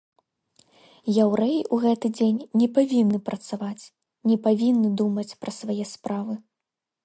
Яўрэі ў гэты дзень не павінны працаваць, не павінны думаць пра свае справы.